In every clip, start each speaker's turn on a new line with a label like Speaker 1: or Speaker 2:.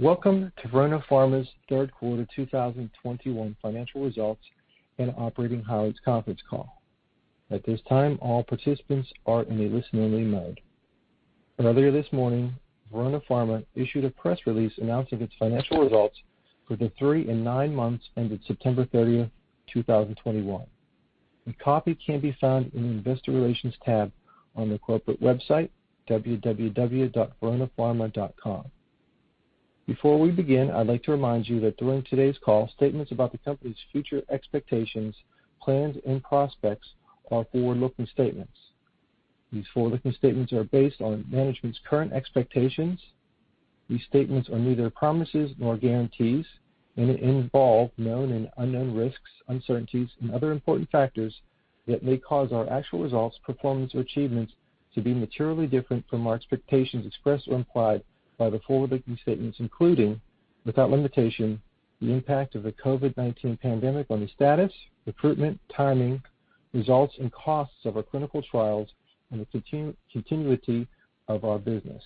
Speaker 1: Welcome to Verona Pharma's third quarter 2021 financial results and operating highlights conference call. At this time, all participants are in a listening-only mode. Earlier this morning, Verona Pharma issued a press release announcing its financial results for the 3 and 9 months ended September 30, 2021. A copy can be found in the investor relations tab on the corporate website, veronapharma.com. Before we begin, I'd like to remind you that during today's call, statements about the company's future expectations, plans, and prospects are forward-looking statements. These forward-looking statements are based on management's current expectations. These statements are neither promises nor guarantees and involve known and unknown risks, uncertainties, and other important factors that may cause our actual results, performance, or achievements to be materially different from our expectations expressed or implied by the forward-looking statements, including, without limitation, the impact of the COVID-19 pandemic on the status, recruitment, timing, results, and costs of our clinical trials and the continuity of our business.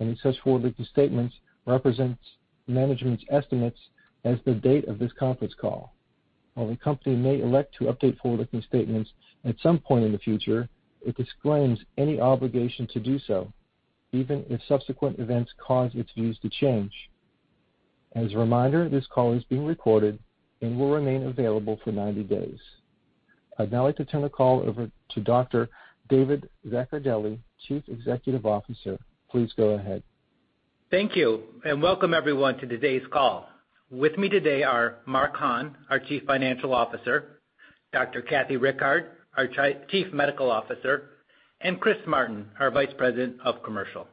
Speaker 1: Any such forward-looking statements represents management's estimates as of the date of this conference call. While the company may elect to update forward-looking statements at some point in the future, it disclaims any obligation to do so, even if subsequent events cause its views to change. As a reminder, this call is being recorded and will remain available for ninety days. I'd now like to turn the call over to Dr. David Zaccardelli, Chief Executive Officer. Please go ahead.
Speaker 2: Thank you, and welcome everyone to today's call. With me today are Mark Hahn, our Chief Financial Officer, Dr. Kathleen Rickard, our Chief Medical Officer, and Chris Martin, our Vice President of Commercial.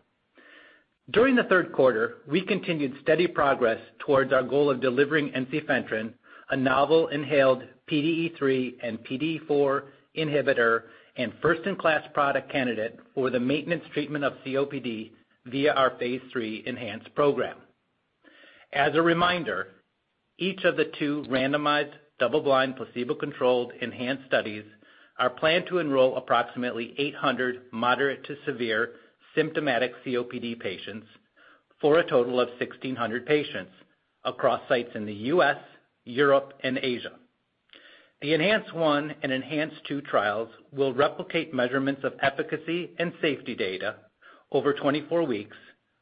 Speaker 2: During the third quarter, we continued steady progress towards our goal of delivering ensifentrine, a novel inhaled PDE3 and PDE4 inhibitor and first-in-class product candidate for the maintenance treatment of COPD via our phase III ENHANCE program. As a reminder, each of the two randomized double-blind placebo-controlled ENHANCE studies are planned to enroll approximately 800 moderate to severe symptomatic COPD patients for a total of 1,600 patients across sites in the U.S., Europe, and Asia. The ENHANCE-1 and ENHANCE-2 trials will replicate measurements of efficacy and safety data over 24 weeks,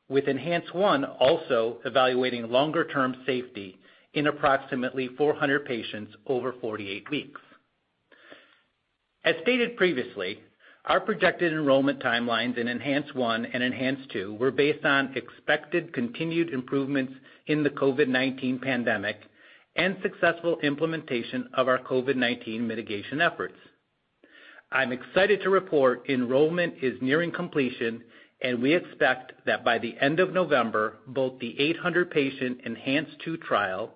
Speaker 2: with ENHANCE-1 also evaluating longer-term safety in approximately 400 patients over 48 weeks. As stated previously, our projected enrollment timelines in ENHANCE-1 and ENHANCE-2 were based on expected continued improvements in the COVID-19 pandemic and successful implementation of our COVID-19 mitigation efforts. I'm excited to report enrollment is nearing completion, and we expect that by the end of November, both the 800-patient ENHANCE-2 trial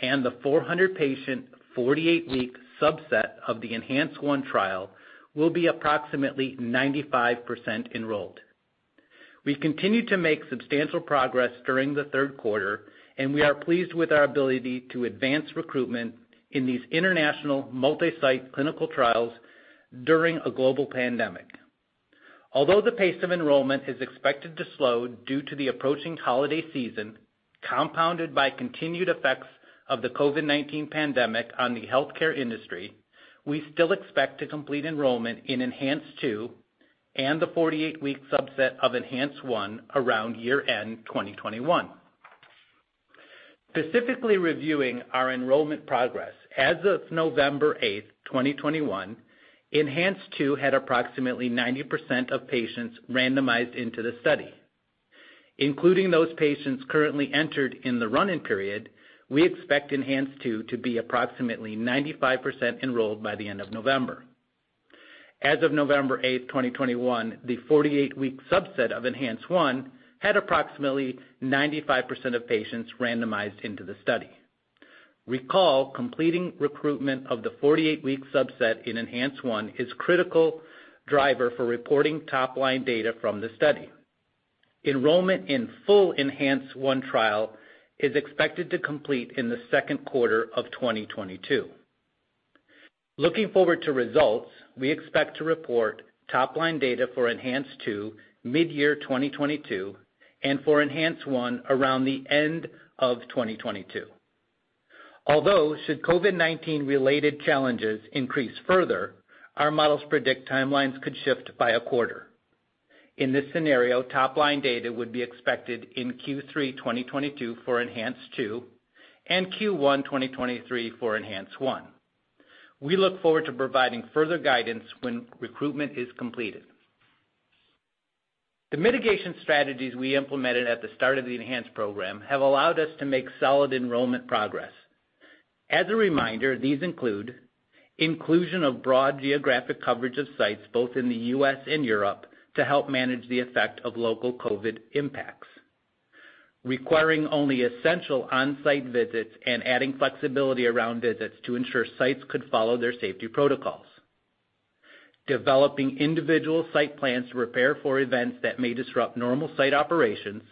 Speaker 2: and the 400-patient, 48-week subset of the ENHANCE-1 trial will be approximately 95% enrolled. We've continued to make substantial progress during the third quarter, and we are pleased with our ability to advance recruitment in these international multi-site clinical trials during a global pandemic. Although the pace of enrollment is expected to slow due to the approaching holiday season, compounded by continued effects of the COVID-19 pandemic on the healthcare industry, we still expect to complete enrollment in ENHANCE-2 and the 48-week subset of ENHANCE-1 around year-end 2021. Specifically reviewing our enrollment progress, as of November 8, 2021, ENHANCE-2 had approximately 90% of patients randomized into the study. Including those patients currently entered in the run-in period, we expect ENHANCE-2 to be approximately 95% enrolled by the end of November. As of November 8, 2021, the 48-week subset of ENHANCE-1 had approximately 95% of patients randomized into the study. Recall, completing recruitment of the 48-week subset in ENHANCE-1 is critical driver for reporting top-line data from the study. Enrollment in full ENHANCE-1 trial is expected to complete in the second quarter of 2022. Looking forward to results, we expect to report top-line data for ENHANCE-2 mid-year 2022 and for ENHANCE-1 around the end of 2022. Although should COVID-19 related challenges increase further, our models predict timelines could shift by a quarter. In this scenario, top-line data would be expected in Q3 2022 for ENHANCE-2 and Q1 2023 for ENHANCE-1. We look forward to providing further guidance when recruitment is completed. The mitigation strategies we implemented at the start of the ENHANCE program have allowed us to make solid enrollment progress. As a reminder, these include inclusion of broad geographic coverage of sites both in the U.S. and Europe to help manage the effect of local COVID-19 impacts, requiring only essential on-site visits and adding flexibility around visits to ensure sites could follow their safety protocols, developing individual site plans to prepare for events that may disrupt normal site operations,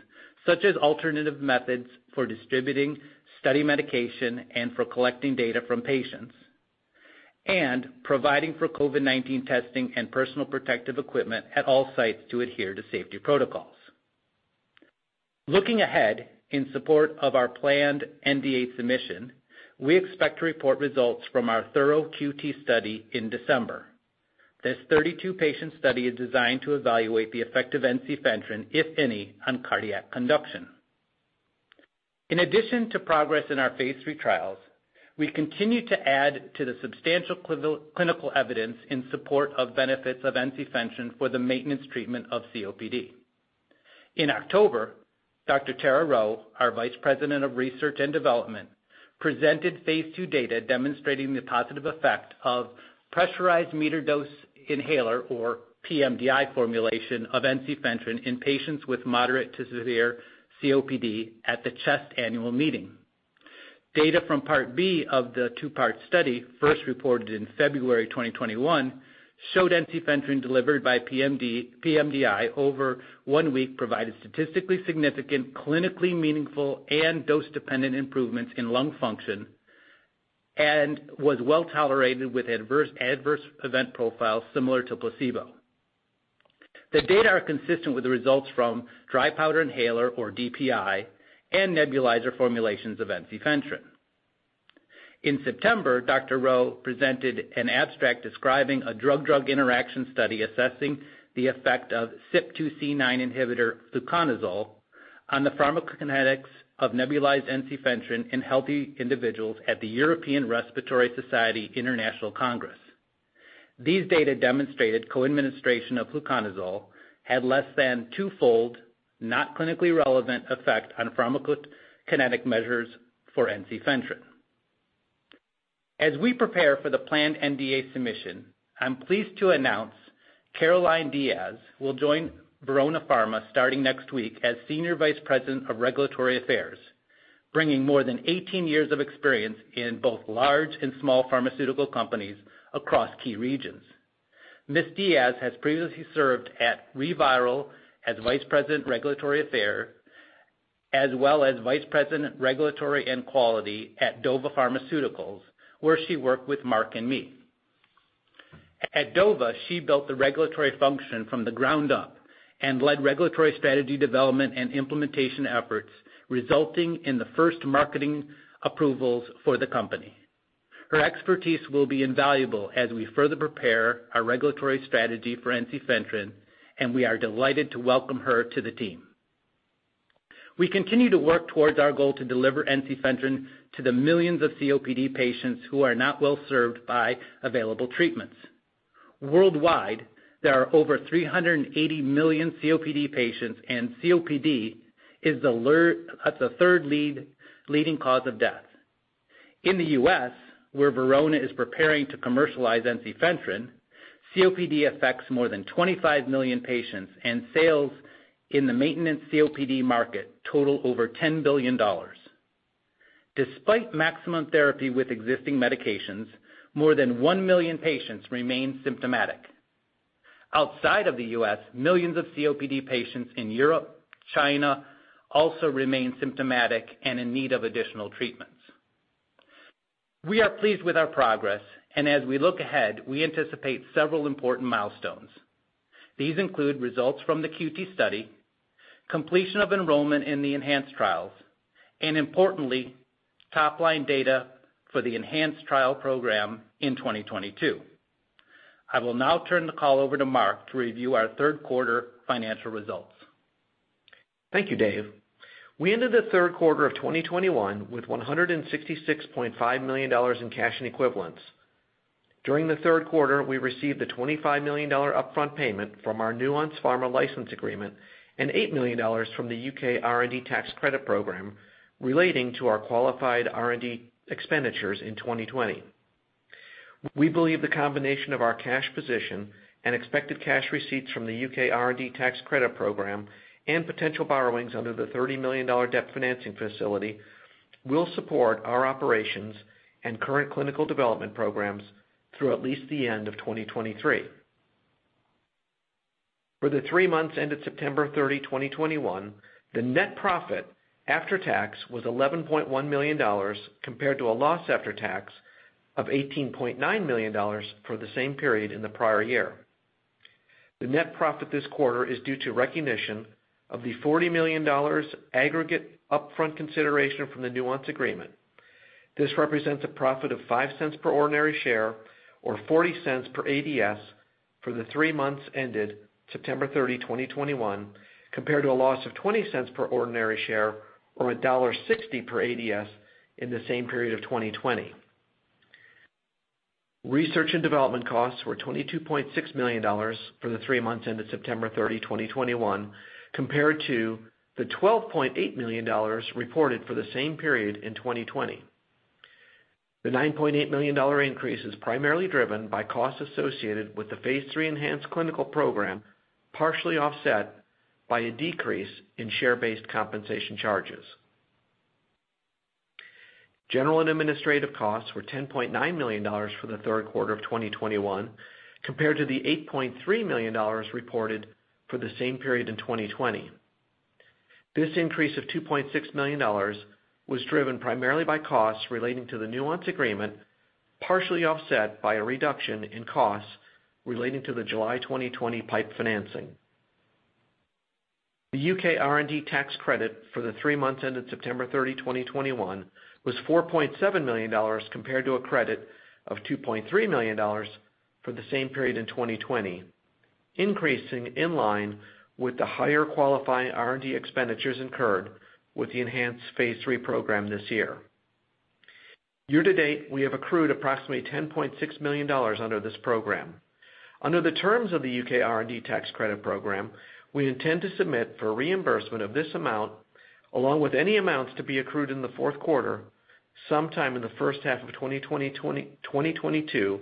Speaker 2: such as alternative methods for distributing study medication and for collecting data from patients, providing for COVID-19 testing and personal protective equipment at all sites to adhere to safety protocols. Looking ahead, in support of our planned NDA submission, we expect to report results from our thorough TQT study in December. This 32-patient study is designed to evaluate the effect of ensifentrine, if any, on cardiac conduction. In addition to progress in our phase III trials, we continue to add to the substantial clinical evidence in support of benefits of ensifentrine for the maintenance treatment of COPD. In October, Dr. Tara Rheault, our Vice President of Research and Development, presented phase II data demonstrating the positive effect of pressurized metered dose inhaler or pMDI formulation of ensifentrine in patients with moderate to severe COPD at the CHEST Annual Meeting. Data from part B of the two-part study, first reported in February 2021, showed ensifentrine delivered by pMDI over one week provided statistically significant, clinically meaningful and dose-dependent improvements in lung function, and was well-tolerated with adverse event profiles similar to placebo. The data are consistent with the results from dry powder inhaler or DPI and nebulizer formulations of ensifentrine. In September, Dr. Rheault presented an abstract describing a drug-drug interaction study assessing the effect of CYP2C9 inhibitor fluconazole on the pharmacokinetics of nebulized ensifentrine in healthy individuals at the European Respiratory Society International Congress. These data demonstrated co-administration of fluconazole had less than two-fold, not clinically relevant effect on pharmacokinetic measures for ensifentrine. As we prepare for the planned NDA submission, I'm pleased to announce Caroline Diaz will join Verona Pharma starting next week as Senior Vice President of Regulatory Affairs, bringing more than 18 years of experience in both large and small pharmaceutical companies across key regions. Ms. Diaz has previously served at ReViral as Vice President, Regulatory Affairs, as well as Vice President, Regulatory and Quality at Dova Pharmaceuticals, where she worked with Mark and me. At Dova, she built the regulatory function from the ground up and led regulatory strategy development and implementation efforts, resulting in the first marketing approvals for the company. Her expertise will be invaluable as we further prepare our regulatory strategy for ensifentrine, and we are delighted to welcome her to the team. We continue to work towards our goal to deliver ensifentrine to the millions of COPD patients who are not well-served by available treatments. Worldwide, there are over 380 million COPD patients, and COPD is the third leading cause of death. In the U.S., where Verona is preparing to commercialize ensifentrine, COPD affects more than 25 million patients and sales in the maintenance COPD market total over $10 billion. Despite maximum therapy with existing medications, more than 1 million patients remain symptomatic. Outside of the U.S., millions of COPD patients in Europe, China also remain symptomatic and in need of additional treatments. We are pleased with our progress, and as we look ahead, we anticipate several important milestones. These include results from the TQT study, completion of enrollment in the ENHANCE trials, and importantly, top-line data for the ENHANCE trial program in 2022. I will now turn the call over to Mark to review our third quarter financial results.
Speaker 3: Thank you, Dave. We ended the third quarter of 2021 with $166.5 million in cash and equivalents. During the third quarter, we received the $25 million upfront payment from our Nuance Pharma license agreement and $8 million from the U.K. R&D tax credit program relating to our qualified R&D expenditures in 2020. We believe the combination of our cash position and expected cash receipts from the U.K. R&D tax credit program and potential borrowings under the $30 million debt financing facility will support our operations and current clinical development programs through at least the end of 2023. For the three months ended September 30, 2021, the net profit after tax was $11.1 million compared to a loss after tax of $18.9 million for the same period in the prior year. The net profit this quarter is due to recognition of the $40 million aggregate upfront consideration from the Nuance agreement. This represents a profit of $0.05 per ordinary share or $0.40 per ADS for the three months ended September 30, 2021, compared to a loss of $0.20 per ordinary share or $1.60 per ADS in the same period of 2020. Research and development costs were $22.6 million for the three months ended September 30, 2021, compared to the $12.8 million reported for the same period in 2020. The $9.8 million increase is primarily driven by costs associated with the phase III ENHANCE clinical program, partially offset by a decrease in share-based compensation charges. General and administrative costs were $10.9 million for the third quarter of 2021, compared to the $8.3 million reported for the same period in 2020. This increase of $2.6 million was driven primarily by costs relating to the Nuance Pharma agreement, partially offset by a reduction in costs relating to the July 2020 PIPE financing. The U.K. R&D tax credit for the three months ended September 30, 2021 was $4.7 million compared to a credit of $2.3 million for the same period in 2020, increasing in line with the higher qualifying R&D expenditures incurred with the ENHANCE phase III program this year. Year to date, we have accrued approximately $10.6 million under this program. Under the terms of the U.K. R&D tax credit program, we intend to submit for reimbursement of this amount, along with any amounts to be accrued in the fourth quarter, sometime in the first half of 2022,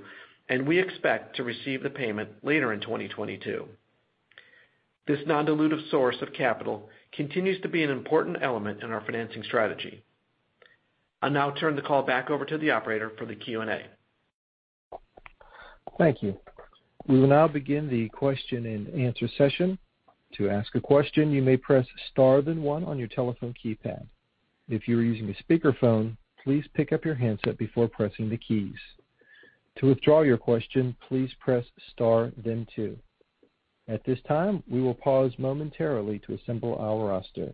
Speaker 3: and we expect to receive the payment later in 2022. This non-dilutive source of capital continues to be an important element in our financing strategy. I'll now turn the call back over to the operator for the Q&A.
Speaker 1: Thank you. We will now begin the question and answer session. To ask a question, you may press star then one on your telephone keypad. If you are using a speakerphone, please pick up your handset before pressing the keys. To withdraw your question, please press star then two. At this time, we will pause momentarily to assemble our roster.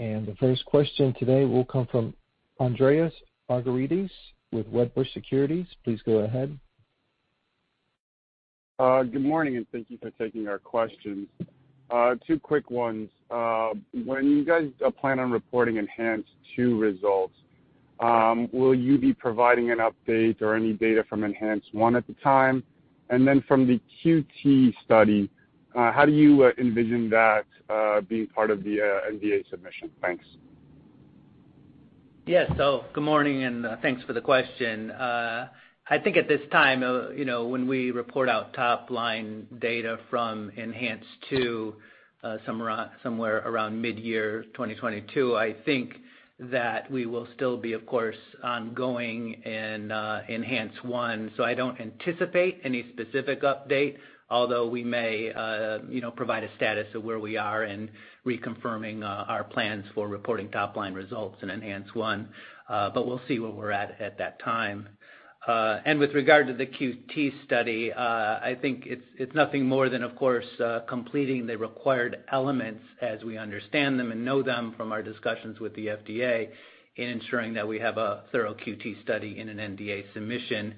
Speaker 1: The first question today will come from Andreas Argyrides with Wedbush Securities. Please go ahead.
Speaker 4: Good morning, and thank you for taking our questions. Two quick ones. When you guys plan on reporting ENHANCE-2 results, will you be providing an update or any data from ENHANCE-1 at the time? From the TQT study, how do you envision that being part of the NDA submission? Thanks.
Speaker 2: Yeah. Good morning and thanks for the question. I think at this time, you know, when we report out top-line data from ENHANCE-2, somewhere around midyear 2022, I think that we will still be, of course, ongoing in ENHANCE-1. I don't anticipate any specific update, although we may, you know, provide a status of where we are in reconfirming our plans for reporting top-line results in ENHANCE-1. But we'll see where we're at at that time. And with regard to the TQT study, I think it's nothing more than, of course, completing the required elements as we understand them and know them from our discussions with the FDA in ensuring that we have a thorough TQT study in an NDA submission.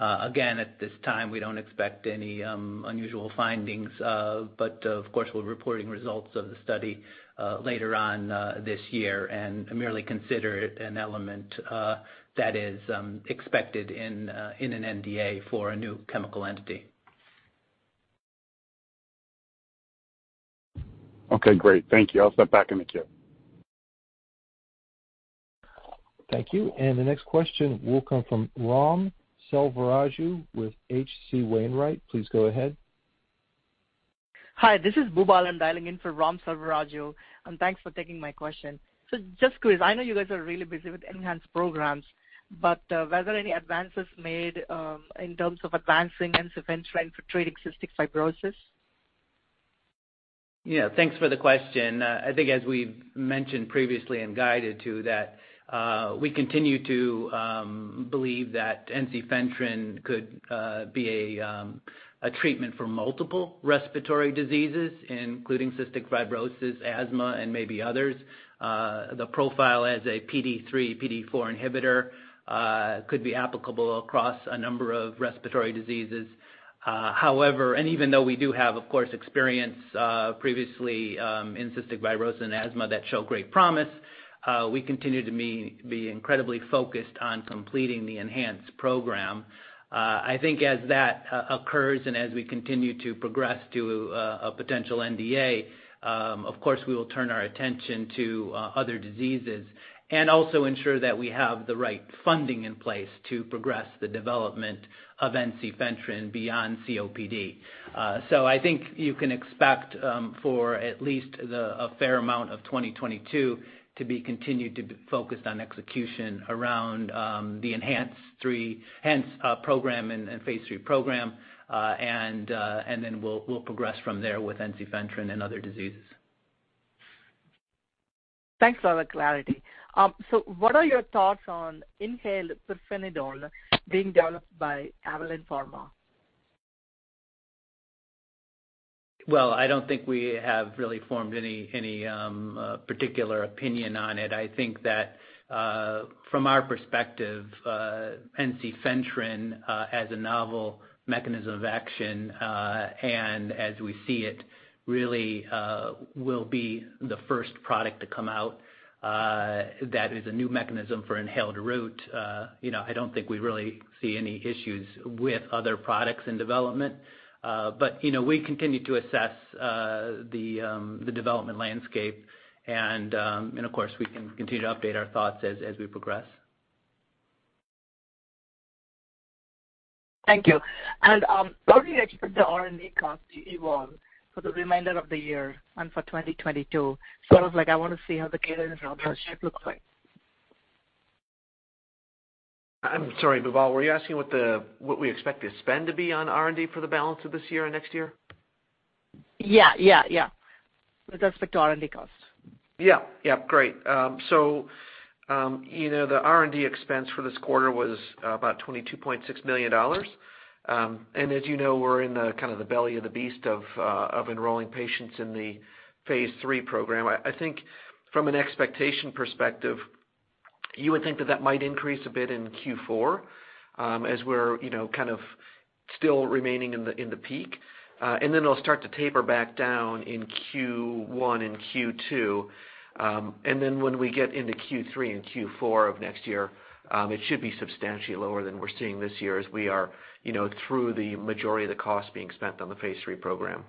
Speaker 2: Again, at this time, we don't expect any unusual findings, but of course, we're reporting results of the study later on this year and merely consider it an element that is expected in an NDA for a new chemical entity.
Speaker 4: Okay, great. Thank you. I'll step back in the queue.
Speaker 1: Thank you. The next question will come from Ram Selvaraju with H.C. Wainwright. Please go ahead.
Speaker 5: Hi, this is Bhupal. I'm dialing in for Ram Selvaraju, and thanks for taking my question. Just curious, I know you guys are really busy with ENHANCE programs, but were there any advances made in terms of advancing ensifentrine for treating cystic fibrosis?
Speaker 2: Yeah, thanks for the question. I think as we've mentioned previously and guided to that, we continue to believe that ensifentrine could be a treatment for multiple respiratory diseases, including cystic fibrosis, asthma, and maybe others. The profile as a PDE3/PDE4 inhibitor could be applicable across a number of respiratory diseases. However, even though we do have, of course, experience previously in cystic fibrosis and asthma that show great promise, we continue to be incredibly focused on completing the ENHANCE program. I think as that occurs and as we continue to progress to a potential NDA, of course, we will turn our attention to other diseases and also ensure that we have the right funding in place to progress the development of ensifentrine beyond COPD. I think you can expect for at least a fair amount of 2022 to be continued to be focused on execution around the ENHANCE program and phase III program. Then we'll progress from there with ensifentrine and other diseases.
Speaker 5: Thanks for all the clarity. What are your thoughts on inhaled pirfenidone being developed by Avalyn Pharma?
Speaker 2: Well, I don't think we have really formed any particular opinion on it. I think that, from our perspective, ensifentrine as a novel mechanism of action and as we see it, really, will be the first product to come out that is a new mechanism for inhaled route. You know, I don't think we really see any issues with other products in development. You know, we continue to assess the development landscape and of course, we can continue to update our thoughts as we progress.
Speaker 5: Thank you. How do you expect the R&D cost to evolve for the remainder of the year and for 2022? Sort of like I wanna see how the cadence and the shape looks like.
Speaker 2: I'm sorry, Bhupal. Were you asking what we expect the spend to be on R&D for the balance of this year or next year?
Speaker 5: Yeah. With respect to R&D costs.
Speaker 3: Yeah. Yeah, great. You know, the R&D expense for this quarter was about $22.6 million. As you know, we're in the kind of the belly of the beast of enrolling patients in the phase III program. I think from an expectation perspective, you would think that might increase a bit in Q4, as we're you know, kind of still remaining in the peak. Then it'll start to taper back down in Q1 and Q2. When we get into Q3 and Q4 of next year, it should be substantially lower than we're seeing this year as we are you know, through the majority of the cost being spent on the phase III program.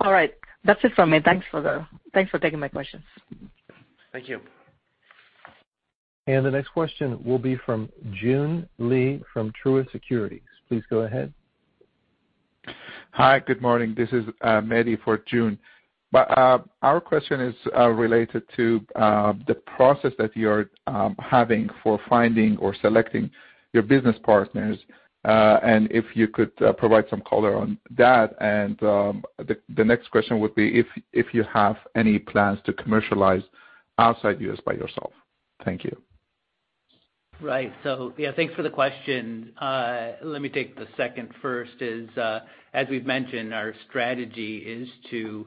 Speaker 5: All right. That's it from me. Thanks for taking my questions.
Speaker 2: Thank you.
Speaker 1: The next question will be from Joon Lee from Truist Securities. Please go ahead.
Speaker 6: Hi, good morning. This is Mehdi for Joon. Our question is related to the process that you're having for finding or selecting your business partners. If you could provide some color on that. The next question would be if you have any plans to commercialize outside U.S. by yourself. Thank you.
Speaker 2: Right. Yeah, thanks for the question. Let me take the second first is, as we've mentioned, our strategy is to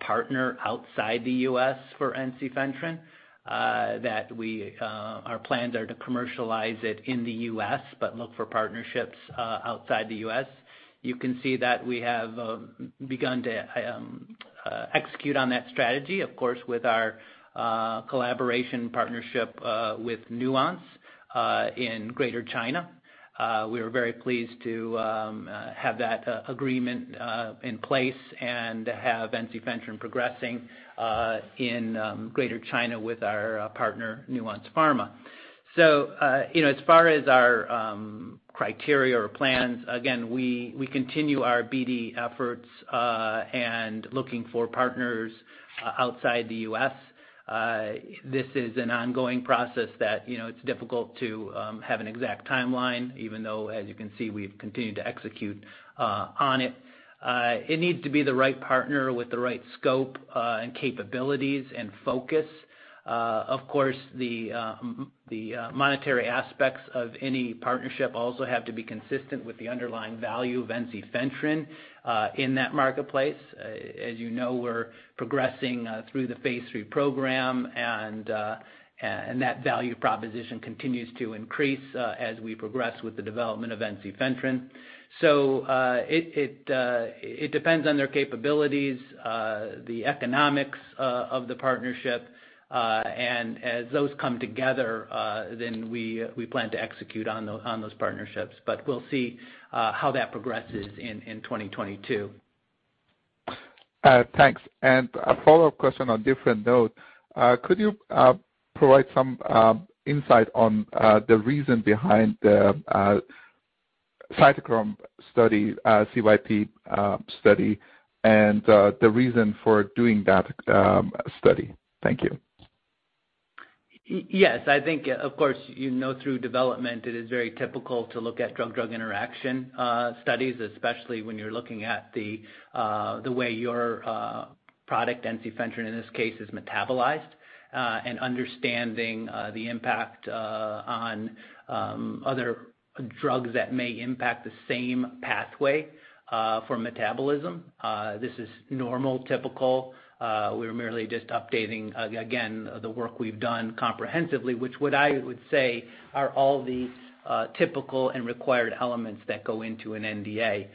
Speaker 2: partner outside the U.S. for ensifentrine. Our plans are to commercialize it in the U.S., but look for partnerships outside the U.S. You can see that we have begun to execute on that strategy, of course, with our collaboration partnership with Nuance in Greater China. We were very pleased to have that agreement in place and to have ensifentrine progressing in Greater China with our partner, Nuance Pharma. You know, as far as our criteria or plans, again, we continue our BD efforts and looking for partners outside the U.S. This is an ongoing process that, you know, it's difficult to have an exact timeline, even though, as you can see, we've continued to execute on it. It needs to be the right partner with the right scope and capabilities and focus. Of course, the monetary aspects of any partnership also have to be consistent with the underlying value of ensifentrine in that marketplace. As you know, we're progressing through the phase III program and that value proposition continues to increase as we progress with the development of ensifentrine. It depends on their capabilities, the economics of the partnership. As those come together, we plan to execute on those partnerships. We'll see how that progresses in 2022.
Speaker 6: Thanks. A follow-up question on a different note. Could you provide some insight on the reason behind the cytochrome CYP study and the reason for doing that study? Thank you.
Speaker 2: Yes. I think of course, you know, through development, it is very typical to look at drug-drug interaction studies, especially when you're looking at the way your product, ensifentrine in this case, is metabolized, and understanding the impact on other drugs that may impact the same pathway for metabolism. This is normal, typical. We're merely just updating again the work we've done comprehensively, which what I would say are all the typical and required elements that go into an NDA.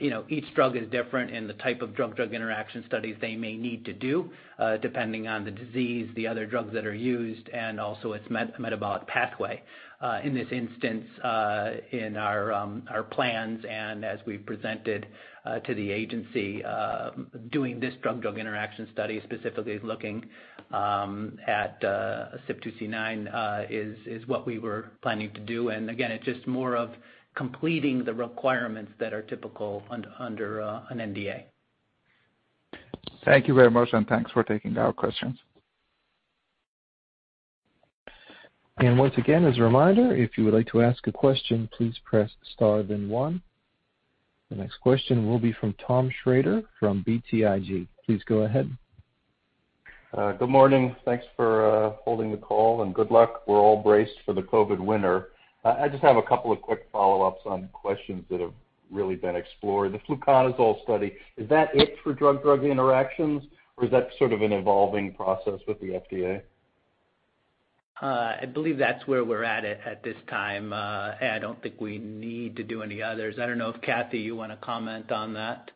Speaker 2: You know, each drug is different in the type of drug-drug interaction studies they may need to do, depending on the disease, the other drugs that are used, and also its metabolic pathway. In this instance, in our plans and as we presented to the agency, doing this drug-drug interaction study, specifically looking at CYP2C9, is what we were planning to do. Again, it's just more of completing the requirements that are typical under an NDA.
Speaker 6: Thank you very much, and thanks for taking our questions.
Speaker 1: Once again, as a reminder, if you would like to ask a question, please press star then one. The next question will be from Tom Shrader from BTIG. Please go ahead.
Speaker 7: Good morning. Thanks for holding the call, and good luck. We're all braced for the COVID winter. I just have a couple of quick follow-ups on questions that have really been explored. The fluconazole study, is that it for drug-drug interactions, or is that sort of an evolving process with the FDA?
Speaker 2: I believe that's where we're at this time. I don't think we need to do any others. I don't know if, Kathy, you wanna comment on that?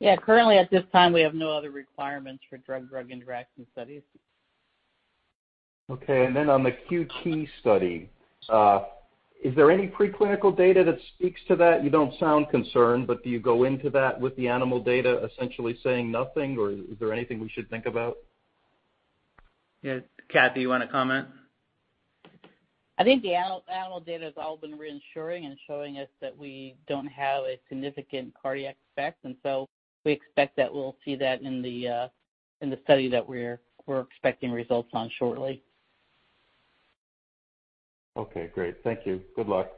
Speaker 8: Yeah. Currently, at this time, we have no other requirements for drug-drug interaction studies.
Speaker 7: Okay. On the TQT study, is there any preclinical data that speaks to that? You don't sound concerned, but do you go into that with the animal data essentially saying nothing, or is there anything we should think about?
Speaker 2: Yeah. Kathy, you wanna comment?
Speaker 8: I think the animal data has all been reassuring and showing us that we don't have a significant cardiac effect, and so we expect that we'll see that in the study that we're expecting results on shortly.
Speaker 7: Okay, great. Thank you. Good luck.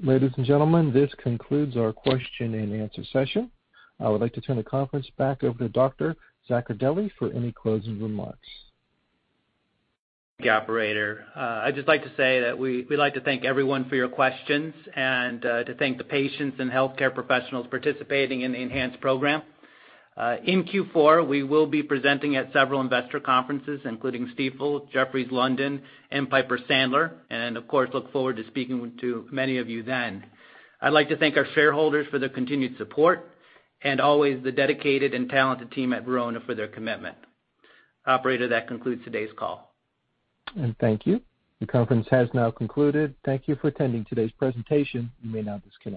Speaker 1: Ladies and gentlemen, this concludes our question and answer session. I would like to turn the conference back over to Dr. Zaccardelli for any closing remarks.
Speaker 2: I'd just like to say that we'd like to thank everyone for your questions and to thank the patients and healthcare professionals participating in the ENHANCE program. In Q4, we will be presenting at several investor conferences, including Stifel, Jefferies London, and Piper Sandler, and of course, look forward to speaking to many of you then. I'd like to thank our shareholders for their continued support and always the dedicated and talented team at Verona for their commitment. Operator, that concludes today's call.
Speaker 1: Thank you. The conference has now concluded. Thank you for attending today's presentation. You may now disconnect.